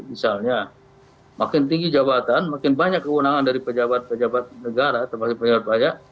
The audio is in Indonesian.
misalnya makin tinggi jabatan makin banyak kewenangan dari pejabat pejabat negara